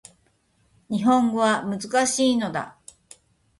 日本語は難しいのだ